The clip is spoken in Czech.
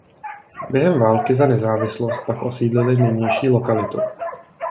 Během války za nezávislost pak osídlili nynější lokalitu.